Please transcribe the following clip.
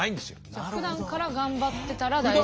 じゃあふだんから頑張ってたら大丈夫。